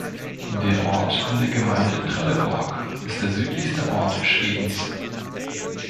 Der Ort in der Gemeinde Trelleborg ist der südlichste Ort Schwedens.